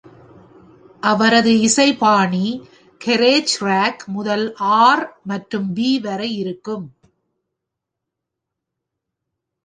அவரது இசை பாணி கேரேஜ் ராக் முதல் R மற்றும் B வரை இருக்கும்.